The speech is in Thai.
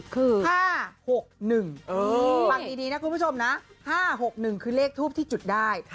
คือ๕๖๑ฟังดีนะคุณผู้ชมนะ๕๖๑คือเลขทูปที่จุดได้